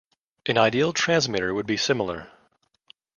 An ideal transmitter would be similar.